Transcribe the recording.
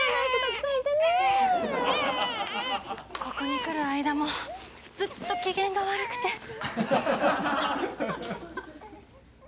ここに来る間もずっと機嫌が悪くて。